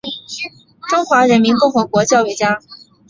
中华人民共和国教育家。